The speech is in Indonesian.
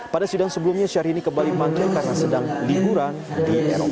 pada sidang sebelumnya syahrini kembali mantai karena sedang lingguran di eropa